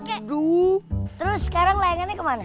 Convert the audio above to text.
aduh terus sekarang layangannya kemana